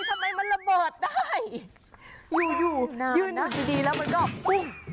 ทำไมมันระเบิดได้อยู่อยู่ยืนอยู่ดีดีแล้วมันก็พุ่ง